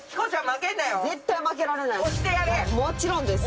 絶対負けられないです。